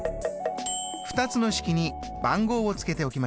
２つの式に番号をつけておきましょう。